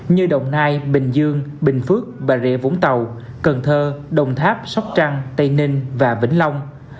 như đồng nai bình dương bình phước bà rịa vũng tàu cần thơ đồng tháp sóc trăng tây ninh và vĩnh long